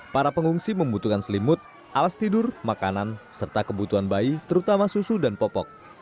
para pengungsi membutuhkan selimut alas tidur makanan serta kebutuhan bayi terutama susu dan popok